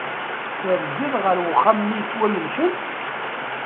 Terziḍ ɣef wexxam-nni yettwamelken?